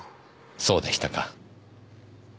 そうでしたか。